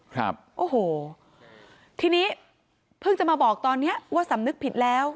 ครับโอ้โหทีนี้เพิ่งจะมาบอกตอนเนี้ยว่าสำนึกผิดแล้ว